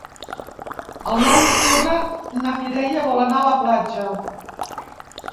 El nou d'octubre na Mireia vol anar a la platja.